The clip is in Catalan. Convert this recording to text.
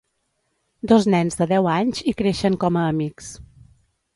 Dos nens de deu anys hi creixen com a amics.